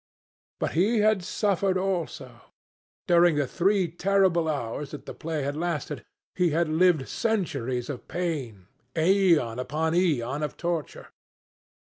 But he had suffered also. During the three terrible hours that the play had lasted, he had lived centuries of pain, aeon upon aeon of torture.